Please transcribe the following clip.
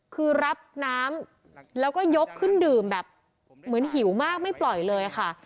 คือรับน้ำแล้วก็ยกขึ้นดื่มแบบเหมือนหิวมากไม่ปล่อยเลยค่ะ